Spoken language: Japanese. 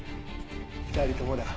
２人ともだ。